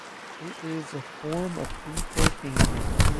It is a form of infotainment.